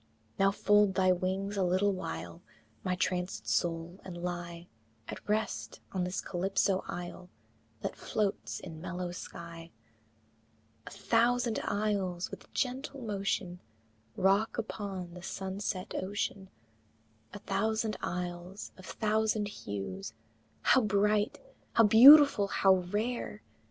Now fold thy wings a little while, My trancèd soul, and lie At rest on this Calypso isle That floats in mellow sky, A thousand isles with gentle motion Rock upon the sunset ocean; A thousand isles of thousand hues, How bright! how beautiful! how rare!